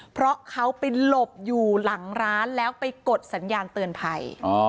เพราะเขาไปหลบอยู่หลังร้านแล้วไปกดสัญญาณเตือนภัย